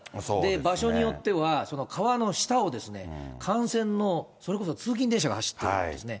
場所によっては、その川の下を幹線のそれこそ通勤電車が走っているんですね。